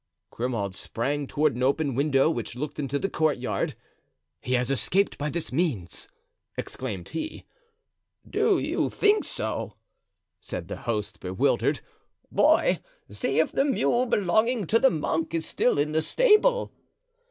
Grimaud sprang toward an open window which looked into the courtyard. "He has escaped by this means," exclaimed he. "Do you think so?" said the host, bewildered; "boy, see if the mule belonging to the monk is still in the stable."